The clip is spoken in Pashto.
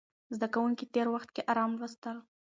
زده کوونکي تېر وخت کې ارام لوستل.